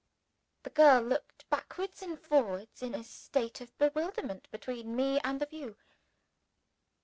The girl looked backwards and forwards in a state of bewilderment between me and the view.